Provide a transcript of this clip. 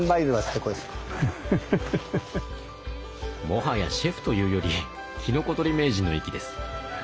もはやシェフというよりきのこ採り名人の域です。